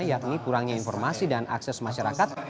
yakni kurangnya informasi dan akses masyarakat